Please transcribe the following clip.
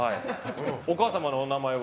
お母様のお名前は？